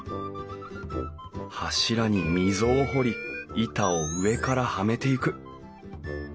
柱に溝を掘り板を上からはめていく。